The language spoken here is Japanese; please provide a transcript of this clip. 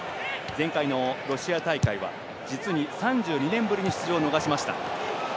前回のロシア大会は実に３２年ぶりに出場を逃しました。